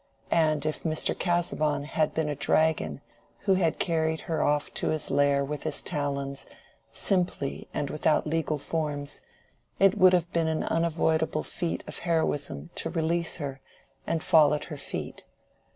And if Mr. Casaubon had been a dragon who had carried her off to his lair with his talons simply and without legal forms, it would have been an unavoidable feat of heroism to release her and fall at her feet.